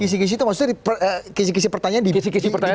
kisi kisi itu maksudnya kisi kisi pertanyaan diberikan sebelum